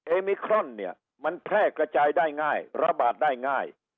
มิครอนเนี่ยมันแพร่กระจายได้ง่ายระบาดได้ง่าย